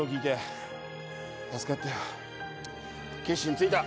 決心ついた。